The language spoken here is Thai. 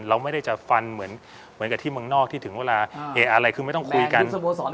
เราไม่ได้จะฟันเหมือนกับที่เมืองนอกที่ถึงเวลาเหตุอะไรคือไม่ต้องคุยกัน